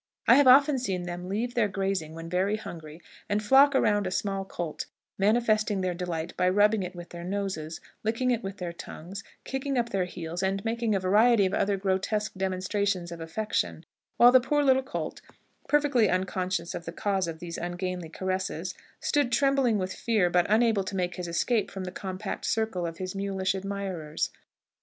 I have often seen them leave their grazing when very hungry, and flock around a small colt, manifesting their delight by rubbing it with their noses, licking it with their tongues, kicking up their heels, and making a variety of other grotesque demonstrations of affection, while the poor little colt, perfectly unconscious of the cause of these ungainly caresses, stood trembling with fear, but unable to make his escape from the compact circle of his mulish admirers.